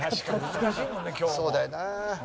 そうだよな。